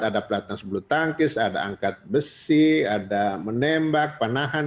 ada platnas belutangkis ada angkat besi ada menembak panahan